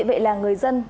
vậy là người dân